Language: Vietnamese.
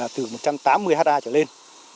từ một trăm tám mươi ha trở lên